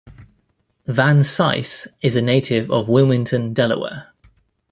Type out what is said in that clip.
Van Sice is a native of Wilmington, Delaware.